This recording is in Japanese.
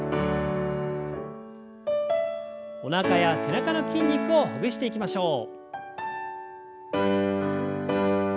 おなかや背中の筋肉をほぐしていきましょう。